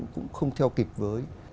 cũng không theo kịp với